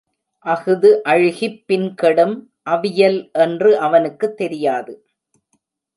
அஃது அழுகிப் பின் கெடும் அவியல் என்று அவனுக்குத் தெரியாது.